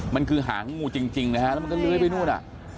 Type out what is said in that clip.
มันคือหางงูจริงนะฮะแล้วมันก็เลื้อยไปนู่น